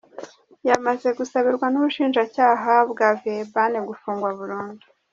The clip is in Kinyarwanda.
Yamaze gusabirwa n’ubushinjacyaha bwa Villeurbanne gufungwa burundu.